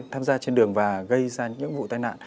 tham gia trên đường và gây ra những vụ tai nạn